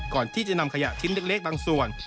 ก่อนที่จะนำขยะชิ้นเล็กบางส่วน